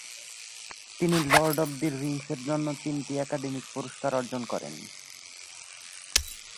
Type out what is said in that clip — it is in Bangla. তিনি "দ্য লর্ড অব দ্য রিংস"-ের জন্য তিনটি একাডেমি পুরস্কার অর্জন করেন।